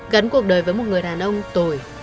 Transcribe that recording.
gắn cuộc đời với một người đàn ông tồi